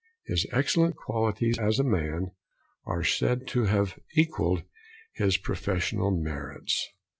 His excellent qualities, as a man, are said to have equalled his professional merits.